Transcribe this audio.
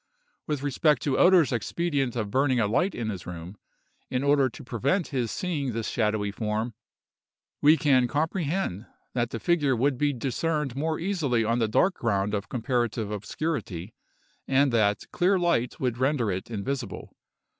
With respect to Oeder's expedient of burning a light in his room, in order to prevent his seeing this shadowy form, we can comprehend, that the figure would be discerned more easily on the dark ground of comparative obscurity, and that clear light would render it invisible.